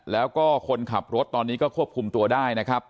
แล้วก็คนขับรถตอนนี้ก็ควบคุมตัวได้นะครับ